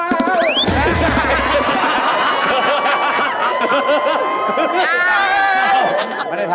ถามพี่ปีเตอร์